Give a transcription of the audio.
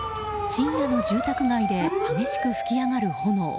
深夜の住宅街で激しく噴き上がる炎。